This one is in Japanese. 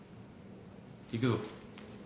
行くぞ。